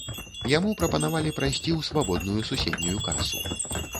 Яму прапанавалі прайсці ў свабодную суседнюю касу.